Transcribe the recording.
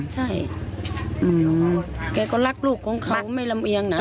ใช่แกก็รักลูกของเขาไม่ลำเอียงนะ